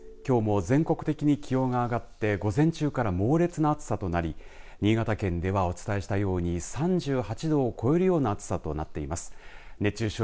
きょうも全国的に気温が上がって午前中から猛烈な暑さとなり新潟県ではお伝えしたように３８度を超えるような暑さとなっています。